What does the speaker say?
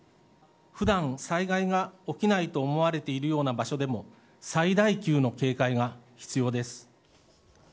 ふだん、災害が起きないと思われているような場所でも最大級の警戒が必要です。